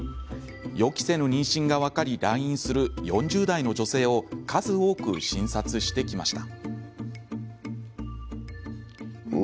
予期せぬ妊娠が分かり来院する４０代の女性を数多く診察してきました。